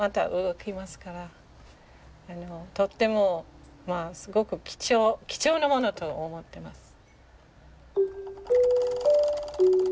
とってもすごく貴重な物と思ってます。